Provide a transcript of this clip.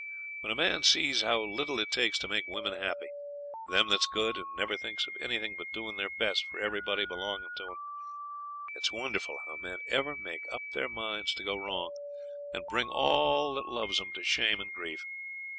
When a man sees how little it takes to make women happy them that's good and never thinks of anything but doing their best for everybody belonging to 'em it's wonderful how men ever make up their minds to go wrong and bring all that loves them to shame and grief.